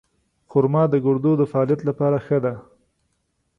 خرما د ګردو د فعالیت لپاره ښه ده.